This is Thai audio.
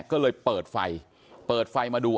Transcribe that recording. ก็เลยเปิดไฟเปิดไฟมาดู